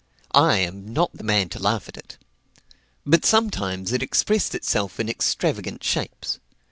I am not the man to laugh at it. But sometimes it expressed itself in extravagant shapes.